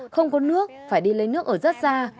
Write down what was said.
không có nước phải đi lấy nước ở rất xa